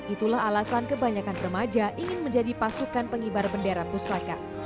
itulah alasan kebanyakan remaja ingin menjadi pasukan pengibar bendera pusaka